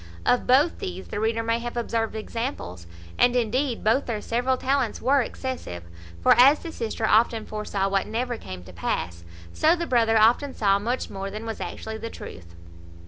Of both these the reader may have observed examples: and, indeed, both their several talents were excessive; for, as the sister often foresaw what never came to pass, so the brother often saw much more than was actually the truth.